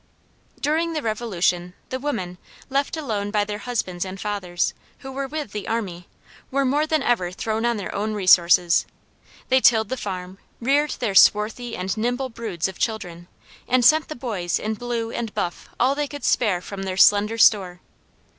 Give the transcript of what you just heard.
During the Revolution, the women, left alone by their husbands and fathers, who were with the army, were more than ever thrown on their own resources. They tilled the farm, reared their swarthy and nimble broods of children, and sent the boys in blue and buff all they could spare from their slender store.